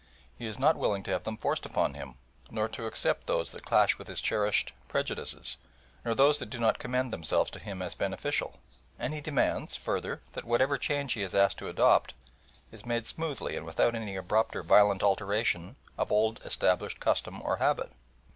He is not willing to have them forced upon him, nor to accept those that clash with his cherished prejudices, nor those that do not commend themselves to him as beneficial, and he demands, further, that whatever change he is asked to adopt is made smoothly and without any abrupt or violent alteration of old established custom or habit.